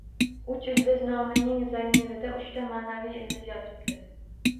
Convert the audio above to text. "Uch ildiz" nomining zamirida uchta ma`naviy ildiz yotibdi